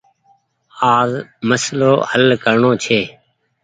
آج مسلو هل ڪرڻو ڇي۔